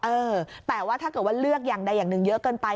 เออแต่ว่าถ้าเกิดว่าเลือกอย่างใดอย่างหนึ่งเยอะเกินไป